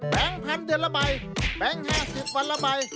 แปลง๑๐๐๐เดือนละใบแปลง๕๐วันละใบ